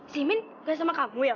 si imin gak sama kamu ya pak